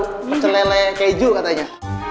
kecelele keju katanya